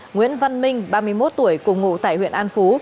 nguyễn văn minh ba mươi một tuổi cùng ngụ tại huyện an phú